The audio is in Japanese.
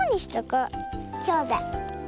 きょうだい。